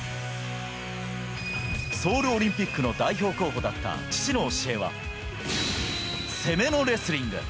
ソウルオリンピックの代表候補だった父の教えは、攻めのレスリング。